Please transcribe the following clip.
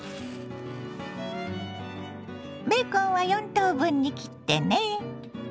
ベーコンは４等分に切ってね。